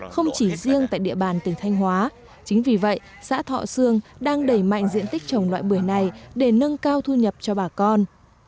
không chỉ riêng tại địa bàn tỉnh thanh hóa chính vì vậy xã thọ sương đang đẩy mạnh diện tích trồng loại bưởi này để nâng cao thu nhập cho bà con